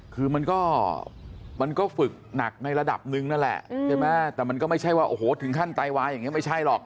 คือมันก็มันก็ฝึกหนักในระดับหนึ่งนั่นแหละใช่ไหมแต่มันก็ไม่ใช่ว่าโอ้โหถึงขั้นไตวายอย่างนี้ไม่ใช่หรอก